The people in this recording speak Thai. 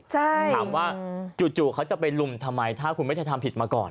ถามว่าจู่เขาจะไปลุมทำไมถ้าคุณไม่ได้ทำผิดมาก่อน